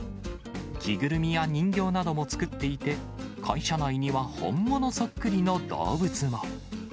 着ぐるみや人形なども作っていて、会社内には本物そっくりの動物も。